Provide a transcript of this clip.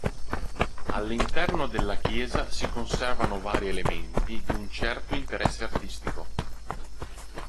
All'interno della chiesa si conservano vari elementi di un certo interesse artistico.